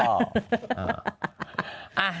เอาผาด